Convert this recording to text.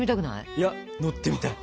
いや乗ってみたい！